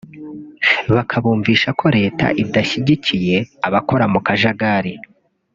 bakabumvisha ko leta idashyigikiye abakora mu kajagari